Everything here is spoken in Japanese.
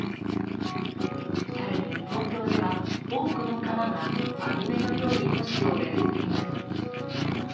さらに東京では、多くの川が網目のように都市を巡っています。